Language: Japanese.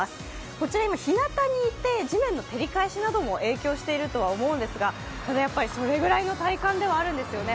こちら今、ひなたにいて地面の照り返しなども影響しているとは思うんですがただ、それぐらいの体感ではあるんですよね。